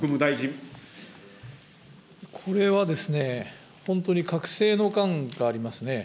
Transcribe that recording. これはですね、本当に隔世の感がありますね。